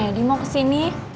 junedi mau kesini